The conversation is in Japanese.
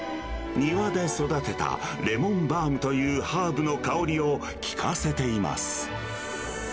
庭で育てたレモンバームというハーブの香りを効かせています。